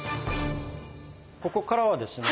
ここからはですね